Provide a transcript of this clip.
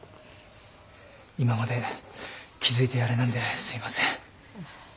今まで気付いてやれなんですいません。